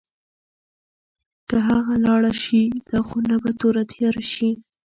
که هغه لاړه شي، دا خونه به توره تیاره شي.